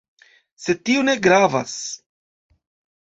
Sed tio ne gravas